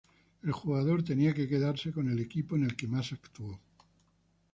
El jugador tenía que quedarse con el equipo en el que más actúo.